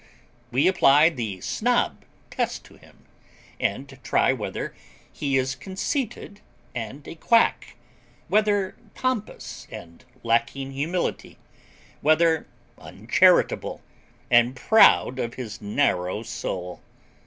We apply the Snob test to him, and try whether he is conceited and a quack, whether pompous and lacking humility whether uncharitable and proud of his narrow soul?